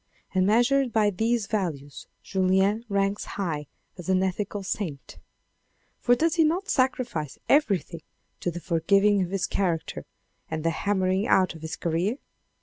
And measured by these values Julien ranks high as an ethical saint. For does he not sacrifice everything to the forgiving of his char acter and the hammering out of his career